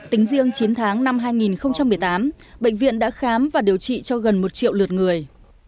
tính riêng chín tháng năm hai nghìn một mươi tám bệnh viện đã khám và điều trị cho gần một triệu lượt người